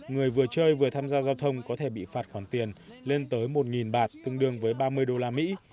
người vừa chơi vừa tham gia giao thông có thể bị phạt khoản tiền lên tới một bạt tương đương với ba mươi đô la mỹ